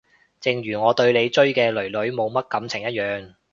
正如我對你追嘅囡囡冇乜感情一樣